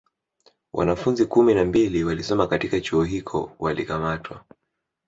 Wanafunzi kumi na mbili walisoma katika Chuo hicho walikamatwa